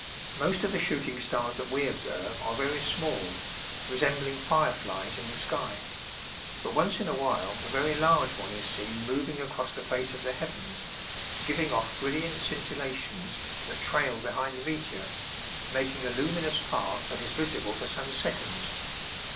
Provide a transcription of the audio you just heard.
Most of the shooting stars that we observe are very small, resembling fire flies in the sky, but once in a while a very large one is seen moving across the face of the heavens, giving off brilliant scintillations that trail behind the meteor, making a luminous path that is visible for some seconds.